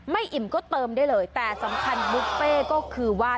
อิ่มก็เติมได้เลยแต่สำคัญบุฟเฟ่ก็คือว่า